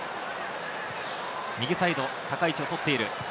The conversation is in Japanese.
右サイド、高い位置をとっている。